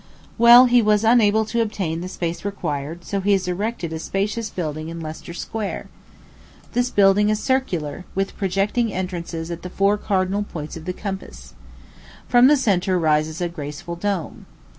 Well, he was unable to obtain the space required, and so he has erected a spacious building in Leicester Square. This building is circular, with projecting entrances at the four cardinal points of the compass. From the centre rises a graceful dome.